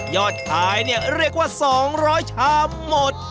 ยอดท้ายเรียกว่า๒๐๐ชามหมด